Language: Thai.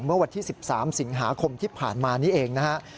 เมื่อวันที่๑๓สิงหาคมที่ผ่านมานี้เองนะฮะ